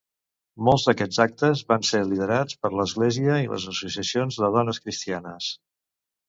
Molts d'aquests actes van ser liderats per l'església i les associacions de dones cristianes.